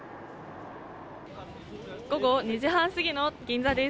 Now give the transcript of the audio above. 午後２時半過ぎの銀座です。